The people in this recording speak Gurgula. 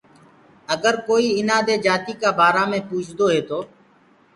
اَگر ڪوئيٚ ايٚنآ دي جاتيٚ ڪآ بآرآ مي پوٚڇدو تو۔